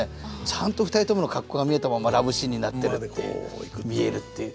ちゃんと２人ともの格好が見えたままラブシーンになってるっていう見えるっていう。